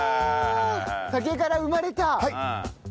竹から生まれた。